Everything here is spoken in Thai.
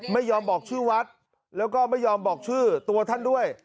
ไม่ยอมบอกชื่อวัดแล้วก็ไม่ยอมบอกชื่อตัวท่านด้วย